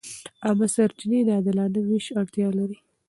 عامه سرچینې د عادلانه وېش اړتیا لري.